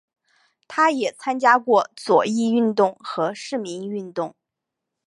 他也参加过左翼运动和市民运动。